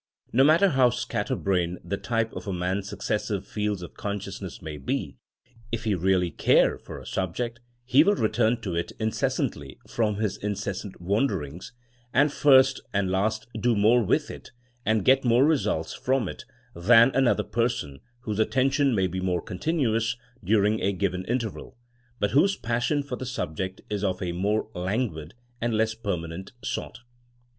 No matter how scatter brained the type of a man^s succes sive fields of consciousness may be, if he really care for a subject, he will return to it inces santly from his incessant wanderings, and first THINEINa AS A SCIENOE 247 and last do more with it, and get more results from it, than another person whose attention may be more continuous during a given interval, but whose passion for the subject is of a more languid and less permanent sort.